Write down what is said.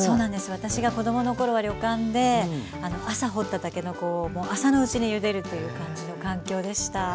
私が子供の頃は旅館で朝掘ったたけのこをもう朝のうちにゆでるっていう感じの環境でした。